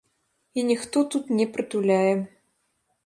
І ніхто тут не прытуляе.